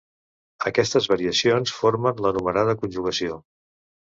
Aquestes variacions formen l'anomenada conjugació.